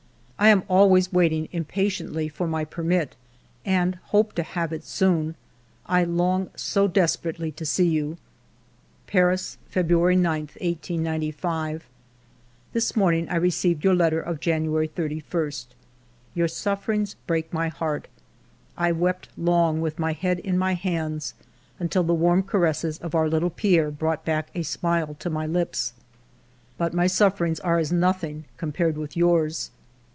I am always waiting impatiently for my permit, and hope to have it soon. I long so desperately to see you." Paris, February 9, 1895. " This morning I received your letter of Jan uary 31. Your sufferings break my heart. I wept long, with my head in my hands, until the warm caresses of our little Pierre brought back a smile to my lips. But my sufferings are as nothing compared with yours.